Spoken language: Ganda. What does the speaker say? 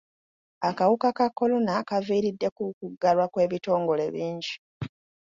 Akawuka ka kolona kaviiriddeko okuggalwa kw'ebitongole bingi.